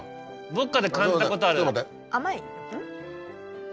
どっかで感じたことある。